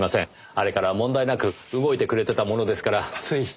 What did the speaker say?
あれから問題なく動いてくれてたものですからつい。